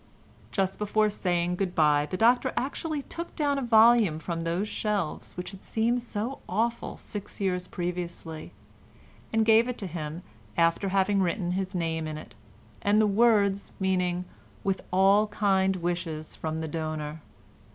Just before saying good bye the Doctor actually took down a volume from those shelves which had seemed so awful six years previously, and gave it to him after having written his name in it, and the words φιλιας και ευνοιας χαριν, which I believe means "with all kind wishes from the donor."